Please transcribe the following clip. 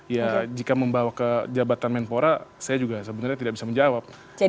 ya jika membawa ke jabatan menpora saya juga sebenarnya tidak bisa menjawab